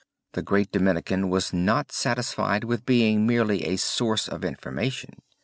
The great Dominican was not satisfied with being merely a source of information.